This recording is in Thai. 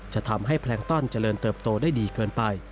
จะทำให้แพลงต้อนเจริญเติบโตได้ดีเกินไป